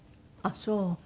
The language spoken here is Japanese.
あっそう。